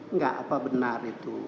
enggak apa benar itu